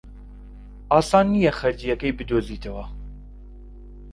ئاسان نییە خەرجییەکەی بدۆزیتەوە.